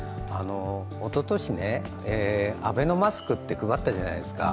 おととし、アベノマスクって配ったじゃないですか？